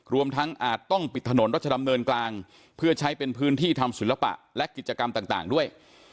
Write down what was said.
รวมทั้งอาจต้องปิดถนนรัชดำเนินกลางเพื่อใช้เป็นพื้นที่ทำศิลปะและกิจกรรมต่างด้วย